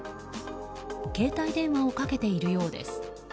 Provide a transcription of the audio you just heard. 携帯電話をかけているようです。